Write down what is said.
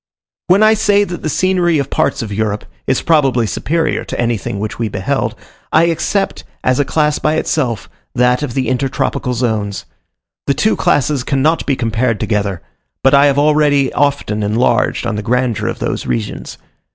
When I say that the scenery of parts of Europe is probably superior to anything which we beheld, I except, as a class by itself, that of the intertropical zones. The two classes cannot be compared together; but I have already often enlarged on the grandeur of those regions.